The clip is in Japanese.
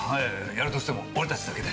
やるとしても俺たちだけで。